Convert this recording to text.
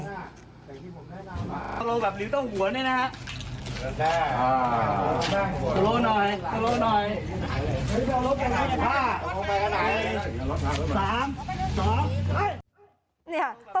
หัวหน่อย